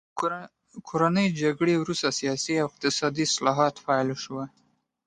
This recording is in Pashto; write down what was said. د کورنۍ جګړې وروسته سیاسي او اقتصادي اصلاحات پیل شول.